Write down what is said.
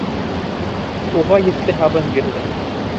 Уға еҫле һабын бирҙе.